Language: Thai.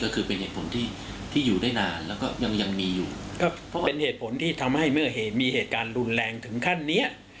ก็เป็นเหตุผลที่ทำให้เมื่อมีเหตุการณ์รุนแรงถึงขั้นนี้